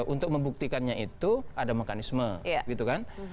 untuk membuktikannya itu ada mekanisme gitu kan